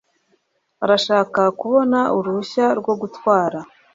Arashaka kubona uruhushya rwo gutwara.